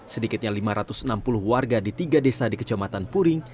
sedikitnya lima ratus enam puluh warga di tiga desa di kecamatan puring